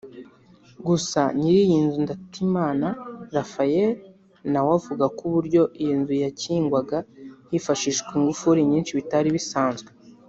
Gusa nyiri iyi nzu Ndatimana Raphaël nawe avuga ko uburyo iyi nzu yakingwaga hifashishijwe ingufuri nyinshi bitari bisanwzwe